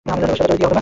তোরে দিয়া হবে না।